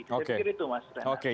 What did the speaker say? jadi itu mas